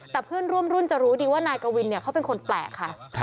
แต่เพื่อนร่วมรุ่นจะรู้ดีว่านายกวินเขาเป็นคนแปลกค่ะ